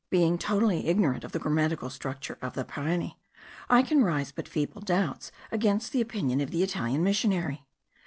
Being totally ignorant of the grammatical structure of the Pareni, I can raise but feeble doubts against the opinion of the Italian missionary.